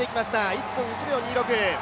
１分１秒２６。